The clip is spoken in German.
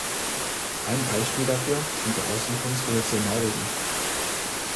Ein Beispiel dafür sind die Auslieferungsgesetze in Norwegen.